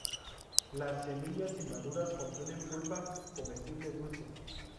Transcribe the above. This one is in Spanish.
Las semillas inmaduras contienen pulpa comestible dulce.